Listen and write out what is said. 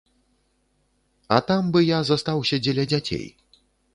А там бы я застаўся дзеля дзяцей.